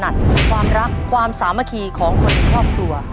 ความรักความสามัคคีของคนในครอบครัว